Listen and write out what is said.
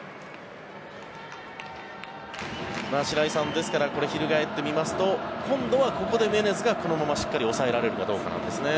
白井さん、ですから翻ってみますと今度はここでメネズがこのまましっかり抑えられるかどうかですね。